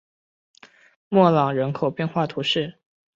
莫朗人口变化图示